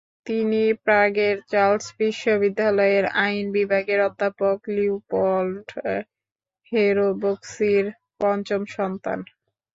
তিনি প্রাগের চার্লস বিশ্ববিদ্যালয়ের আইন বিভাগের অধ্যাপক লিওপল্ড হেরোভস্কির পঞ্চম সন্তান।